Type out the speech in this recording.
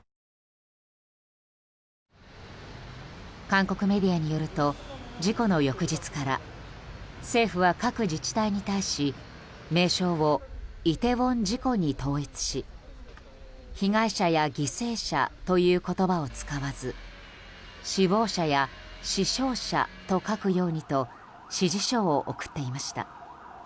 韓国メディアによると事故の翌日から政府は各自治体に対し名称をイテウォン事故に統一し被害者や犠牲者という言葉を使わず死亡者や死傷者と書くようにと指示書を送っていました。